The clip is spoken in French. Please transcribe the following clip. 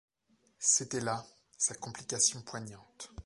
C’était là sa complication poignante.